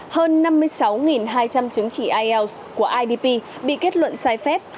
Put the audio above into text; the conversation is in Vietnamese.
hơn năm mươi sáu hai trăm linh chứng chỉ ielts của idp bị kết luận sai phép